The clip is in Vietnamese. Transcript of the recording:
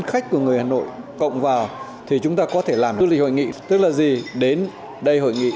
khách của người hà nội cộng vào thì chúng ta có thể làm du lịch hội nghị tức là gì đến đây hội nghị